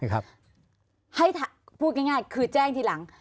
ให้พูดง่ายคือแจ้งทีหลัง